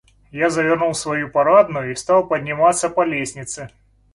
Я завернул в свою парадную и стал подниматься по лестнице.